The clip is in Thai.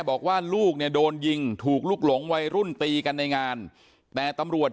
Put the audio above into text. บอกว่าลูกเนี่ยโดนยิงถูกลุกหลงวัยรุ่นตีกันในงานแต่ตำรวจ